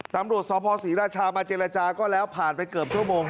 ตำรวจสภศรีราชามาเจรจาก็แล้วผ่านไปเกือบชั่วโมง